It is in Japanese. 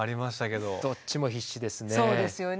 どっちも必死ですね。